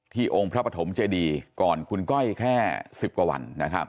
องค์พระปฐมเจดีก่อนคุณก้อยแค่๑๐กว่าวัน